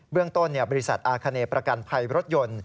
เรื่องต้นบริษัทอาคเนประกันภัยรถยนต์